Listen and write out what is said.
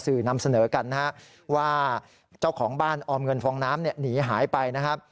สื่อนำเสนอกันนะฮะว่าเจ้าของบ้านออมเงินฟองน้ำหนีหายไปนะครับ